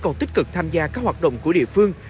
còn tích cực tham gia các hoạt động của địa phương